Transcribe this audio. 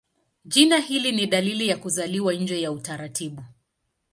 Jina hili ni dalili ya kuzaliwa nje ya utaratibu.